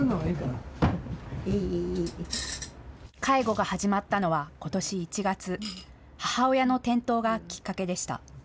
介護が始まったのはことし１月、母親の転倒がきっかけでした。